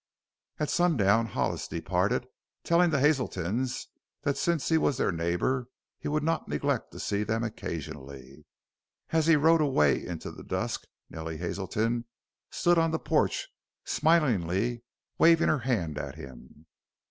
At sundown Hollis departed, telling the Hazeltons that since he was their neighbor he would not neglect to see them occasionally. As he rode away into the dusk Nellie Hazelton stood on the porch smilingly waving her hand at him.